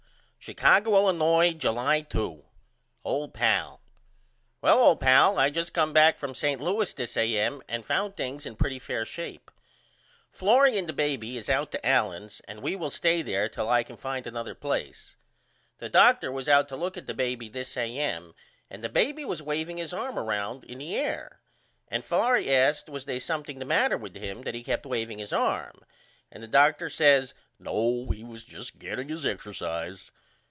Chicago, Illinois, July 2. OLD PAL: Well old pal I just come back from St. Louis this A.M. and found things in pretty fare shape. Florrie and the baby is out to Allen's and we will stay there till I can find another place. The Dr. was out to look at the baby this A.M. and the baby was waveing his arm round in the air. And Florrie asked was they something the matter with him that he kept waveing his arm. And the Dr. says No he was just getting his exercise.